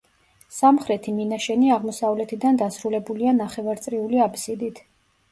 სამხრეთი მინაშენი აღმოსავლეთიდან დასრულებულია ნახევარწრიული აბსიდით.